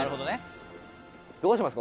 「どうしますか？